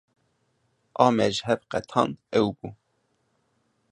A me ji hev qetand ew bû.